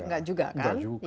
nggak juga kan